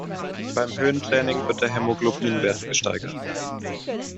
Beim Höhentraining wird der Hämoglobinwert gesteigert.